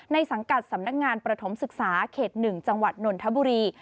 สังกัดสำนักงานประถมศึกษาเขต๑จังหวัดนนทบุรี